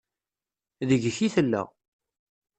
Deg-k i tella.